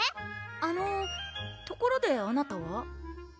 あのところであなたは？